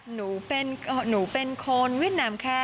หนูเป็นคนเวียดนามแค่